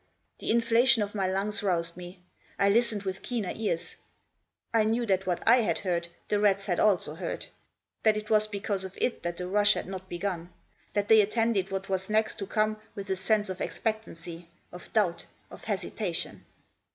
The inflation of my lungs roused me. I listened with keener ears. I knew that what I had heard the rats had also heard ; that it was because of it that the rush had not begun ; that they attended what was next to come with a sense of expectancy ; of doubt ; of hesitation.